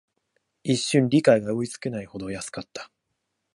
一瞬、理解が追いつかないほど安かった